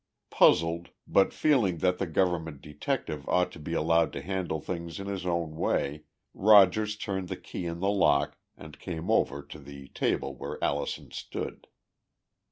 Puzzled, but feeling that the government detective ought to be allowed to handle things in his own way, Rogers turned the key in the lock and came over to the table where Allison stood.